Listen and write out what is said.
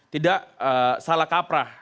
tidak salah kaprah